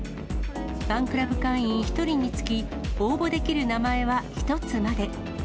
ファンクラブ会員１人につき、応募できる名前は１つまで。